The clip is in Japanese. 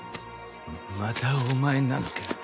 またお前なのか。